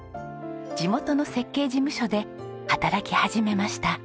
地元の設計事務所で働き始めました。